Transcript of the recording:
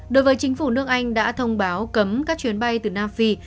đối với chính phủ nước anh đã thông báo cấm các chuyến bay từ nam phi